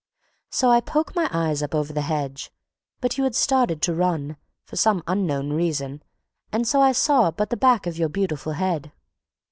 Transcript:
"So I poked my eyes up over the hedge, but you had started to run, for some unknown reason, and so I saw but the back of your beautiful head.